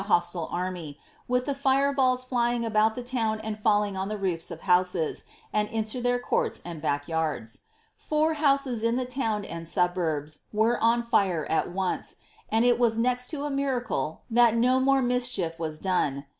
hostile army, with the fireball* flying about ihe town and ratting on dw roofs of houses, and iiilo their cnurla and bark yards. Four house* in the lowo and suburbs were on fire ai once, and it was nexi tn a mira cle tliat no raore misrhief was done.